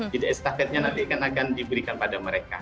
jadi estafetnya nanti kan akan diberikan pada mereka